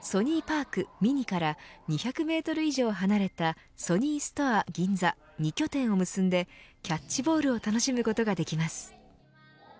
ＳｏｎｙＰａｒｋＭｉｎｉから２００メートル以上離れたソニーストア銀座２拠点を結んでキャッチボールを楽しむことができます。